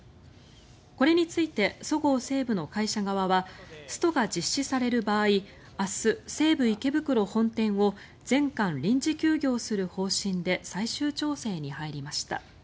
これについてそごう・西武の会社側はストが実施される場合明日、西武池袋本店を全館、臨時休業する方針で最終調整に入りました。